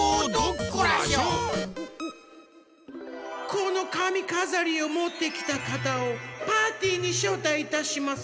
このかみかざりをもってきたかたをパーティーにしょうたいいたします。